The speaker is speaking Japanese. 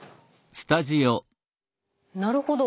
なるほど。